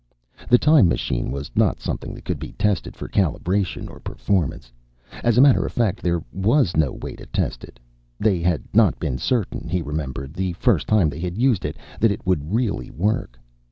The time machine was not something that could be tested for calibration or performance. As a matter of fact, there was no way to test it. They had not been certain, he remembered, the first time they had used it, that it would really work.